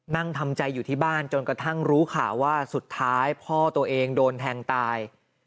ทำใจอยู่ที่บ้านจนกระทั่งรู้ข่าวว่าสุดท้ายพ่อตัวเองโดนแทงตาย